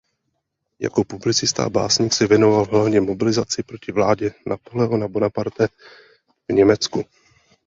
Jako publicista a básník se věnoval hlavně mobilizaci proti vládě Napoleona Bonaparta v Německu.